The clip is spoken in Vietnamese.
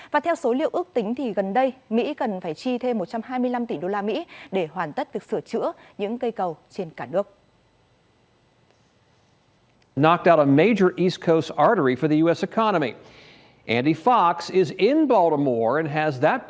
và theo số liệu ước tính thì gần đây mỹ cần phải chi thêm một trăm hai mươi năm tỷ usd để hoàn tất việc sửa chữa những cây cầu trên cả nước